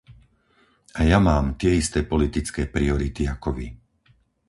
Aj ja mám tie isté politické priority ako vy.